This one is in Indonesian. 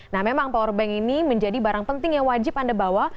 nah memang powerbank ini menjadi barang penting yang wajib anda bawa